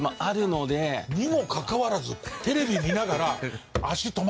にもかかわらずテレビ見ながら。